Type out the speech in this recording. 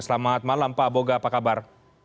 selamat malam pak boga apa kabar